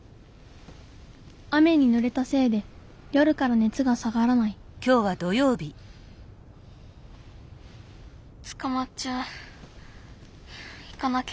雨にぬれたせいで夜からねつが下がらないつかまっちゃう行かなきゃ。